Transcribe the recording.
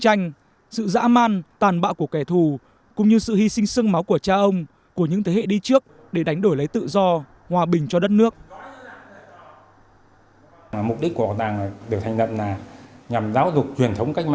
tranh sự dã man tàn bạo của kẻ thù cũng như sự hy sinh sương máu của cha ông của những thế hệ đi trước để đánh đổi lấy tự do hòa bình cho đất nước